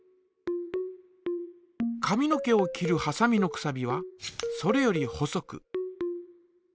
髪の毛を切るはさみのくさびはそれより細く。